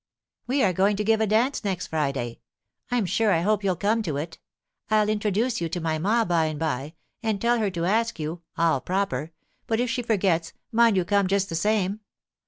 * We are going to give a dance next Friday. I'm sure I hope you'll come to it. I'll introduce you to ma by and by, and tell her to ask you, all proper — but if she forgets, mind you come just the same